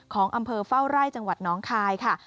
ของอำเภอเฝ้าไร่จังหวัดน้องคายค่ะ